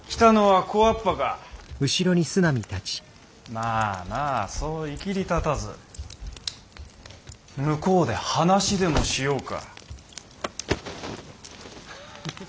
まあまあそういきりたたず向こうで話でもしようか。